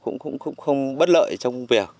nó cũng không bất lợi trong việc